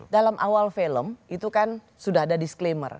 dalam awal film itu kan sudah ada disclaimer